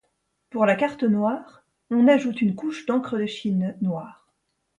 Pour la carte noire, on ajoute une couche d'encre de Chine noire.